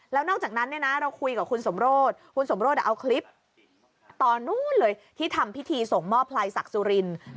แล้วนอกจากนั้นเราคุยกับคุณสมโรธคุณสมโรธเอาคลิปตอนนู้นเลยที่ทำพิธีส่งมอบพลายศักดิ์สุรินทร์